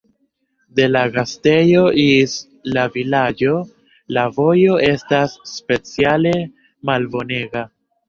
De la gastejo ĝis la vilaĝo, la vojo estas speciale malbonega.